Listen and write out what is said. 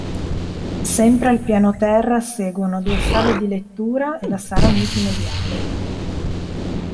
Sempre al piano terra seguono due sale di lettura e la sala multimediale.